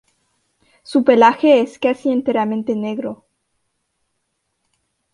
Su pelaje es casi enteramente negro.